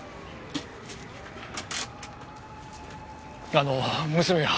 あの娘は？